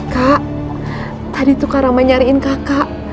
kak tadi tuh kak rama nyariin kakak